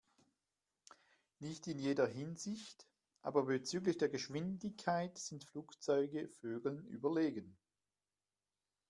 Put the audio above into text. Nicht in jeder Hinsicht, aber bezüglich der Geschwindigkeit sind Flugzeuge Vögeln überlegen.